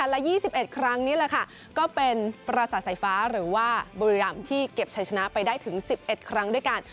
และ๒๑ครั้งนี้แหละค่ะก็เป็นประสาทสายฟ้าหรือว่าบุรีรำที่เก็บชัยชนะไปได้ถึง๑๑ครั้งด้วยกัน